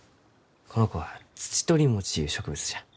この子はツチトリモチゆう植物じゃ。